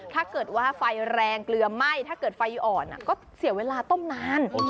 ถ้าเกิดว่าไฟแรงเกลือไหม้ถ้าเกิดไฟอ่อนก็เสียเวลาต้มนาน